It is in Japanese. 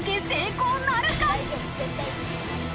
成功なるか。